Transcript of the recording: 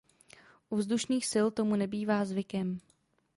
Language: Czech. U vzdušných sil tomu nebývá zvykem.